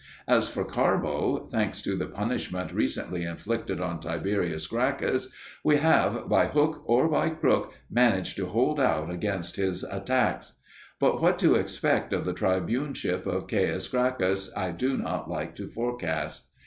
As for Carbo, thanks to the punishment recently inflicted on Tiberius Gracchus, we have by hook or by crook managed to hold out against his attacks. But what to expect of the tribuneship of Caius Gracchus I do not like to forecast.